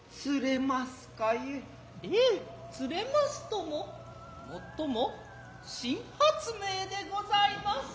ええ釣れますとも尤も新発明でございます。